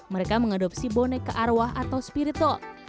mereka mengadopsi boneka arwah atau spirit tol